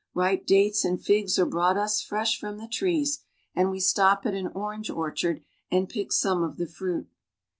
Ripe dates and figs are brought us fresh from the trees, and we stop at an orange orchard and pick some of the fruit.